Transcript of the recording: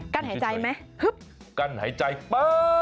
กล้านหายใจแล้ว